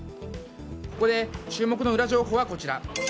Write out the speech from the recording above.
ここで、注目のウラ情報はこちら。